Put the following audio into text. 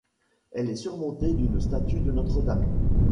Elle est surmontée d’une statue de Notre-Dame.